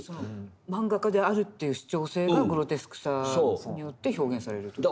マンガ家であるっていう主張性がグロテスクさによって表現されるという事？